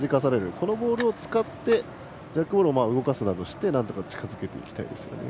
このボールを使ってジャックボールを動かすなどしてなんとか近づけていきたいですね。